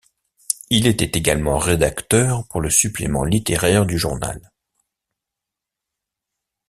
Il était également rédacteur pour le supplément littéraire du journal.